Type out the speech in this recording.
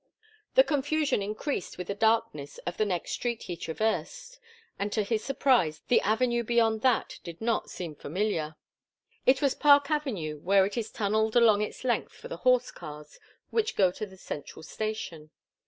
The confusion increased with the darkness of the next street he traversed, and to his surprise the avenue beyond that did not seem familiar. It was Park Avenue where it is tunnelled along its length for the horse cars which go to the Central Station.